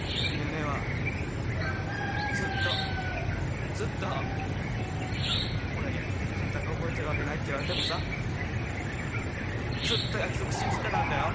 姉えはずっとずっと俺に「あんたが覚えてるわけない」って言われてもさぁずっと約束信じてたんだよ。